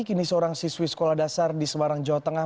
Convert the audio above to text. kini seorang siswi sekolah dasar di semarang jawa tengah